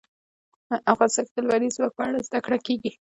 افغانستان کې د لمریز ځواک په اړه زده کړه کېږي.